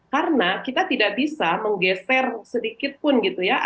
karena kita tidak bisa menggeser sedikit pun gitu ya